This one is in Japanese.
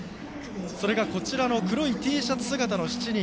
それが、こちらの黒いＴシャツ姿の７人。